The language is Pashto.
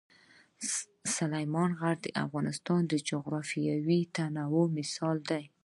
سلیمان غر د افغانستان د جغرافیوي تنوع مثال دی.